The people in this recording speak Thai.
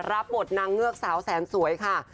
รับบทนางเงือกสาวแสนสวยค่ะ